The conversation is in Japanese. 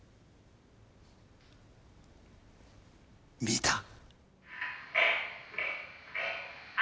見た？